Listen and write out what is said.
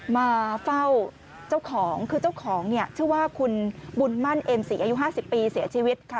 มาเฝ้าเจ้าของคือเจ้าของเนี่ยชื่อว่าคุณบุญมั่นเอ็มศรีอายุ๕๐ปีเสียชีวิตค่ะ